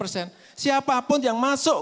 siapapun yang masuk